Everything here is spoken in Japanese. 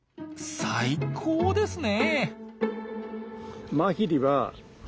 最高ですね！